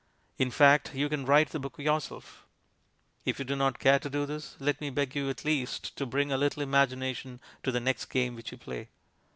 In fact, you can write the book yourself. But if you do not care to do this, let me beg you at least to bring a little imagination to the next game which you play.